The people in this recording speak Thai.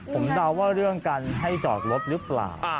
ผมเดาว่าเรื่องการให้จอดรถหรือเปล่า